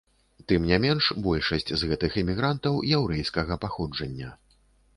Тым не менш, большасць з гэтых імігрантаў яўрэйскага паходжання.